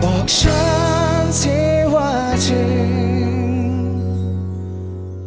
บอกฉันสิว่าจริง